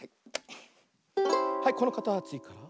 はいこのかたちから。